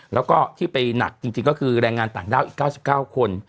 แล้วก็ที่ไปหนักจริงก็คือแรงงานต่างด้าวอีก๙๙คน